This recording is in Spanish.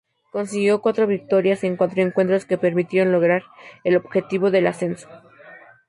Consiguió cuatro victorias en cuatro encuentros, que permitieron lograr el objetivo del ascenso.